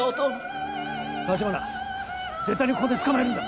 絶対にここで捕まえるんだ！